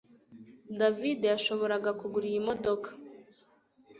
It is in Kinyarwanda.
David yashoboraga kugura iyi modoka